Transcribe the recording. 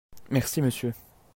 Merci monsieur.